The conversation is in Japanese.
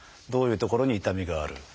どういう所に痛みがある。